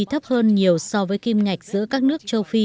thấp hơn nhiều so với kim ngạch giữa các nước châu phi